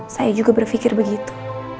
saya juga berpikir begitu